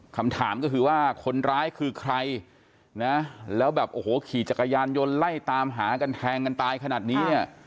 คำถามก็คือว่าคนร้ายคือใครนะแล้วแบบโอ้โหขี่จักรยานยนต์ไล่ตามหากันแทงกันตายขนาดนี้เนี่ย